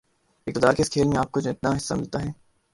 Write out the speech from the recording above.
اقتدار کے اس کھیل میں آپ کو جتنا حصہ ملتا ہے